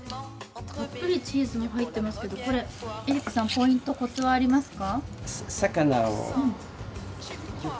たっぷりチーズも入ってますけれども、エリックさん、ポイント、コツはありますか？